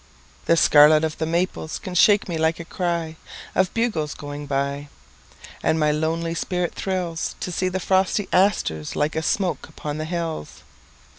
The scarlet of the maples can shake me like a cryOf bugles going by. And my lonely spirit thrillsTo see the frosty asters like a smoke upon the hills.